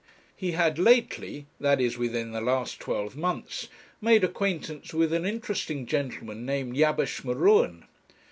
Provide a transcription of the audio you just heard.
He had lately, that is, within the last twelve months, made acquaintance with an interesting gentleman named Jabesh M'Ruen.